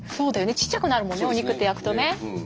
ちっちゃくなるもんねお肉って焼くとね。